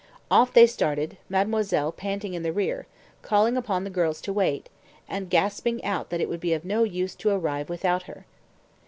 Off they started, mademoiselle panting in the rear, calling upon the girls to wait, and gasping out that it would be of no use to arrive without her.